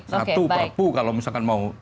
satu perpu kalau misalkan mau